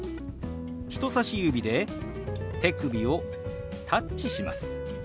人さし指で手首をタッチします。